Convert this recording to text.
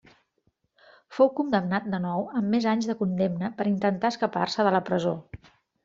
Fou condemnat de nou amb més anys de condemna per intentar escapar-se de la presó.